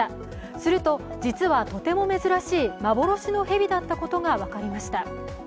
すると、実はとても珍しい幻の蛇だったことが分かりました。